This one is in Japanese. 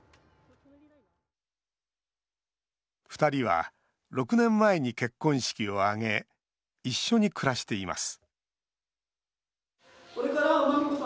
２人は、６年前に結婚式を挙げ一緒に暮らしています